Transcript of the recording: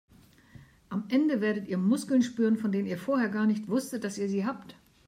Am Ende werdet ihr Muskeln spüren, von denen ihr vorher gar nicht wusstet, dass ihr sie habt.